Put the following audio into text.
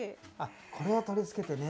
これを取り付けてね。